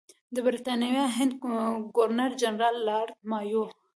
د برټانوي هند ګورنر جنرال لارډ مایو.